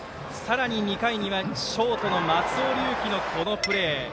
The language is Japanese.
２回にはショートの松元涼馬のこのプレー。